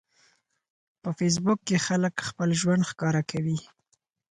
په فېسبوک کې خلک خپل ژوند ښکاره کوي.